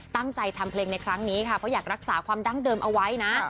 ตั้งใจทำเพลงในครั้งนี้ค่ะเพราะอยากรักษาความดั้งเดิมเอาไว้นะ